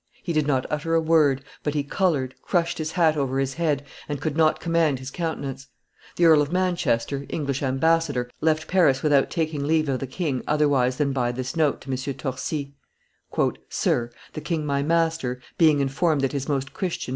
He did not utter a word, but he colored, crushed his hat over his head, and could not command his countenance. The Earl of Manchester, English ambassador, left Paris without taking leave of the king, otherwise than by this note to M. de Torcy: "Sir: The king my master, being informed that his Most Christian.